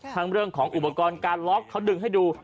เรื่องของอุปกรณ์การล็อกเขาดึงให้ดู